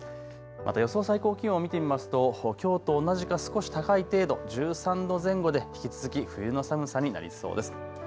また予想最高気温を見てみますときょうと同じか少し高い程度１３度前後で引き続き冬の寒さになりそうです。